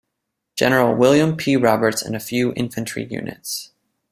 General William P. Roberts and a few infantry units.